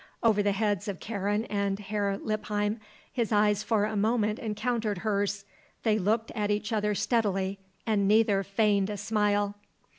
Over the heads of Karen and Herr Lippheim his eyes for a moment encountered hers. They looked at each other steadily and neither feigned a smile.